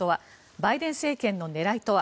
バイデン政権の狙いとは。